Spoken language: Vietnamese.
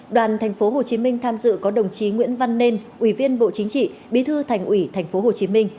đoàn tp hcm tham dự có đồng chí nguyễn văn nên ủy viên bộ chính trị bí thư thành ủy tp hcm